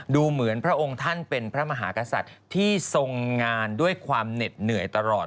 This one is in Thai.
ดูเหมือนพระองค์ท่านเป็นพระมหากษัตริย์ที่ทรงงานด้วยความเหน็ดเหนื่อยตลอด